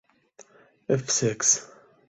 F. Sex.